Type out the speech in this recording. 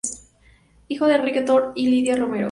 Hijo de Enrique Tord y Lilia Romero.